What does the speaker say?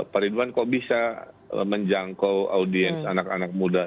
pak ridwan kok bisa menjangkau audiens anak anak muda